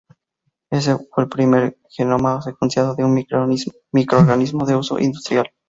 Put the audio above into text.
Este fue el primer genoma secuenciado de un microorganismo de uso industrial.